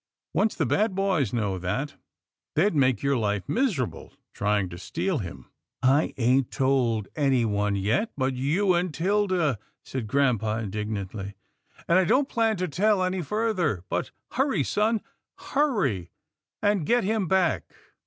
Once the bad boys know that, they'd make your life mis erable trying to steal him." " I ain't told anyone yet, but you and 'Tilda," said grampa indignantly, " and I don't plan to tell any further, but hurry, son, hurry, and get him back."